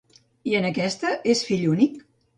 I en aquesta, és fill únic?